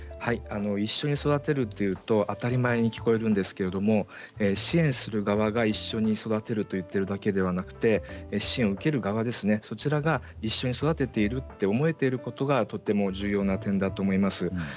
一緒に育てるというと当たり前に聞こえるんですけど支援する側が一緒に育てると言っているだけではなくて支援を受ける側ですねそちらが一緒に育てていると思えていることがとても重要な点だと思います。